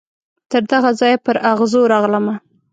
تر دغه ځایه پر اغزو راغلمه